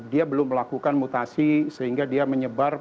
dia belum melakukan mutasi sehingga dia menyebar